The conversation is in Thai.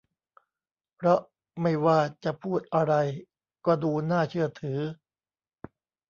เพราะไม่ว่าจะพูดอะไรก็ดูน่าเชื่อถือ